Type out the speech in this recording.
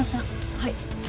はい。